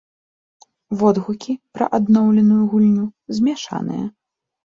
Водгукі пра абноўленую гульню змяшаныя.